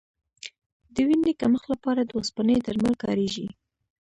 د وینې کمښت لپاره د اوسپنې درمل کارېږي.